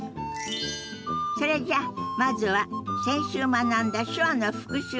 それじゃあまずは先週学んだ手話の復習から始めましょ。